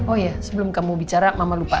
oh iya sebelum kamu bicara mama lupa